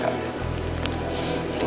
kamu adalah anakku